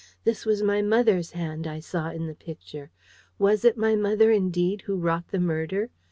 This was my mother's hand I saw in the picture. Was it my mother, indeed, who wrought the murder?